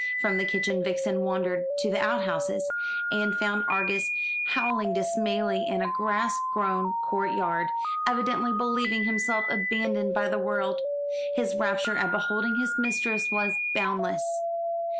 From the kitchen Vixen wandered to the out houses, and found Argus howling dismally in a grass grown court yard, evidently believing himself abandoned by the world. His rapture at beholding his mistress was boundless.